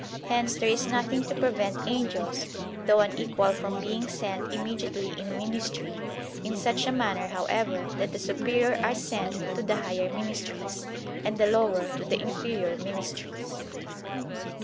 Hence there is nothing to prevent angels though unequal from being sent immediately in ministry, in such a manner however that the superior are sent to the higher ministries, and the lower to the inferior ministries.